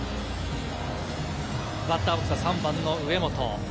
バッターボックスは３番の上本。